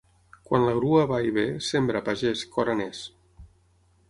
Quan la grua va i ve, sembra, pagès, que hora n'és.